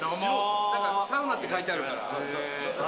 なんか、サウナって書いてあるか誰？